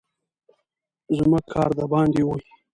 زموږ کار د باندې وي.